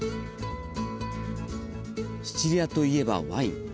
シチリアといえば、ワイン。